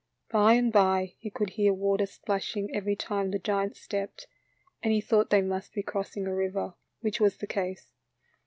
By and by he could hear water splash ing every time the giant stepped, and he thought they must be crossing a river, which was the case.